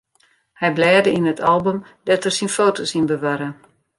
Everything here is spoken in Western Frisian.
Hy blêde yn it album dêr't er syn foto's yn bewarre.